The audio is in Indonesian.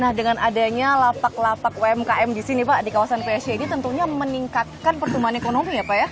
nah dengan adanya lapak lapak umkm di sini pak di kawasan psc ini tentunya meningkatkan pertumbuhan ekonomi ya pak ya